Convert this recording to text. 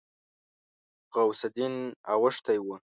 غوث الدين اوښتی و.